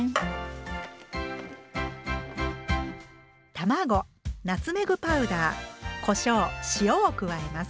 卵ナツメグパウダーこしょう塩を加えます。